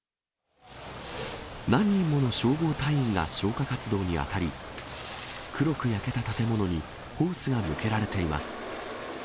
何人もの消防隊員が消火活動に当たり、黒く焼けた建物にホースが向けられています。